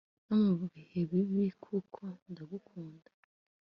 no mubihe Bibi kuko ndagukunda.